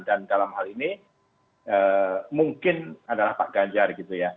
dan dalam hal ini mungkin adalah pak ganjar gitu ya